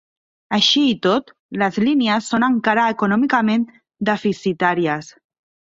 Així i tot, les línies són encara econòmicament deficitàries.